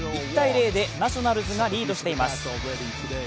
１−０でナショナルズがリードしています。